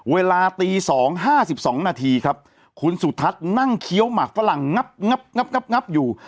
เวลาตี๒๕๒นาทีครับคุณสุทัศน์นั่งเคี้ยวหมักฝรั่งงับอยู่